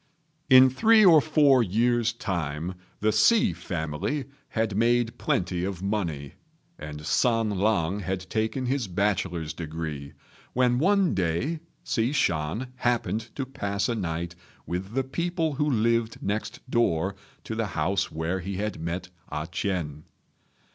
In three or four years' time the Hsi family had made plenty of money, and San lang had taken his bachelor's degree, when one day Hsi Shan happened to pass a night with the people who lived next door to the house where he had met A ch'ien.